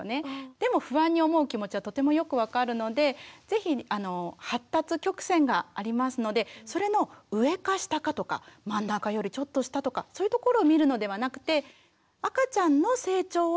でも不安に思う気持ちはとてもよく分かるのでぜひ発達曲線がありますのでそれの上か下かとか真ん中よりちょっと下とかそういうところを見るのではなくて赤ちゃんの成長をですね